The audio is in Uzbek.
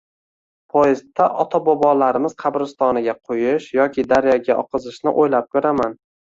Poezdda ota-bobolarimiz qabristoniga qo`yish yoki daryoga oqizishni o`ylab ko`raman